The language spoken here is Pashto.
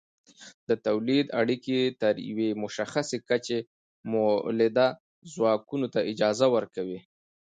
د تولید اړیکې تر یوې مشخصې کچې مؤلده ځواکونو ته اجازه ورکوي.